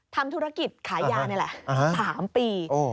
ทำธุรกิจขายยานี่แหละ๓ปี